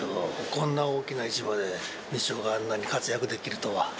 こんな大きな市場で、ミショーがあんなに活躍できるとは。